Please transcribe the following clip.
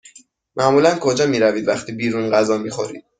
معمولا کجا می روید وقتی بیرون غذا می خورید؟